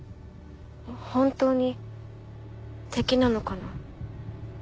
本当に敵なのかな？